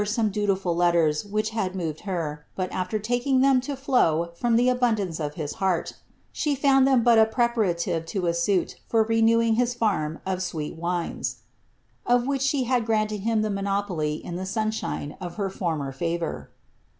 iome JuiiTuI letiersi which had moved her; but aRer taking ihtm to flow from the abundance of his hearL, she found ihem but a prepsn^ lo H suit for renewing his brm of sweet wines," of which sbc had grained him the monopoly in the sunshine of her former fevoar.'